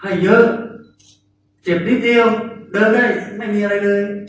ได้เยอะเจ็บนิดเดียวเดินได้ไม่มีอะไรเลย